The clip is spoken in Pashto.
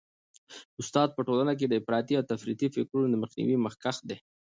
استاد په ټولنه کي د افراطي او تفریطي فکرونو د مخنیوي مخکښ دی.